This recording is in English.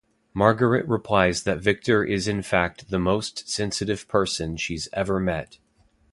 Margaret replies that Victor is in fact the most sensitive person she's ever met.